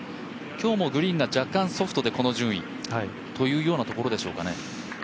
今日もグリーンが若干ソフトでこの順位ということですかね。